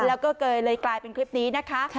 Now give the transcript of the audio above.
แล้วก็เลยกลายเป็นคลิปนี้นะคะ